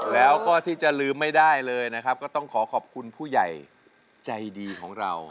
แล้วก็ที่จะลืมไม่ได้เลยนะครับก็ต้องขอขอบคุณผู้ใหญ่ใจดีของเรา